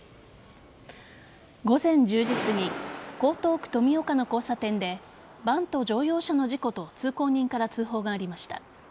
午前１０時すぎ江東区富岡の交差点でバンと乗用車の事故と通行人から通報がありました。